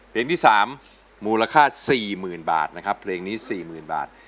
เพลงที่๓มูลค่า๔๐๐๐บาทนะครับเพลงนี้๔๐๐๐บาท